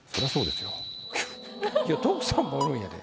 今日徳さんもおるんやで。